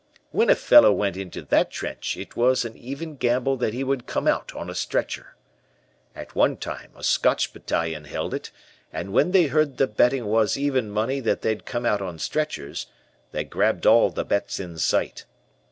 "When a fellow went into that trench, it was an even gamble that he would come out on a stretcher. At one time, a Scotch battalion held it, and when they heard the betting was even money that they'd come out on stretchers, they grabbed all the bets in sight.